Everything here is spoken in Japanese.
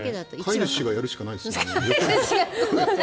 飼い主がやるしかないですよね。